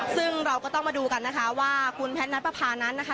ซึ่งเราก็ต้องมาดูกันนะคะว่าคุณแพทย์นับประพานั้นนะคะ